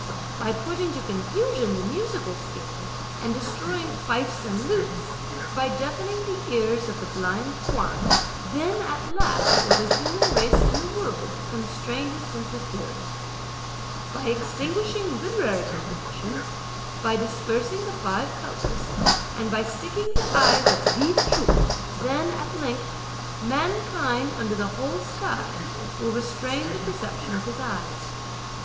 By putting to confusion the musical scale, and destroying fifes and lutes, by deafening the ears of the blind Kuang, then, at last, will the human race in the world constrain his sense of hearing. By extinguishing literary compositions, by dispersing the five colours and by sticking the eyes of Li Chu, then, at length, mankind under the whole sky, will restrain the perception of his eyes.